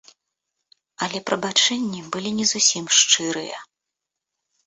Але прабачэнні былі не зусім шчырыя.